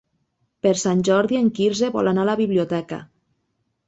Per Sant Jordi en Quirze vol anar a la biblioteca.